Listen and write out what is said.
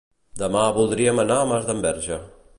Demà voldríem anar a Masdenverge.